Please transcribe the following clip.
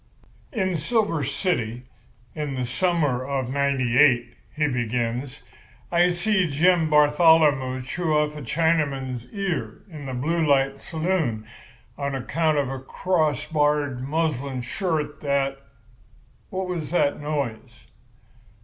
"'In Silver City, in the summer of '98,' he begins, 'I see Jim Batholomew chew off a Chinaman's ear in the Blue Light Saloon on account of a crossbarred muslin shirt that—what was that noise?